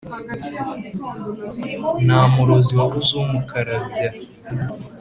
Nta murozi wabuze umukarabya.